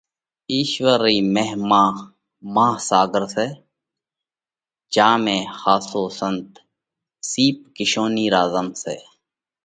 اِيشوَر رئِي مهما ماها ساڳر سئہ۔ جيا ۾ ۿاسو سنت سِيپ (ڪِيشونئِي) را زم سئہ۔